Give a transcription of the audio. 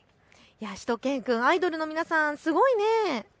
しゅと犬くん、アイドルの皆さん、すごいね。